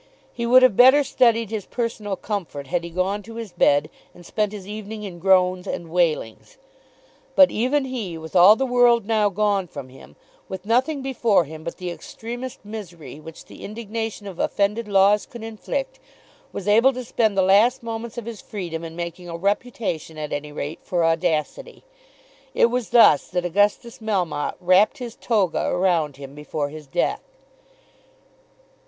He would have better studied his personal comfort had he gone to his bed, and spent his evening in groans and wailings. But even he, with all the world now gone from him, with nothing before him but the extremest misery which the indignation of offended laws could inflict, was able to spend the last moments of his freedom in making a reputation at any rate for audacity. It was thus that Augustus Melmotte wrapped his toga around him before his death!